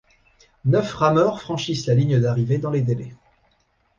Neuf rameurs franchissent la ligne d'arrivée dans les délais.